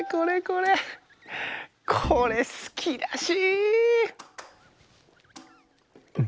これすきだし！